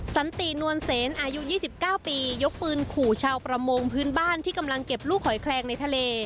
สันตินวลเซนอายุ๒๙ปียกปืนขู่ชาวประมงพื้นบ้านที่กำลังเก็บลูกหอยแคลงในทะเล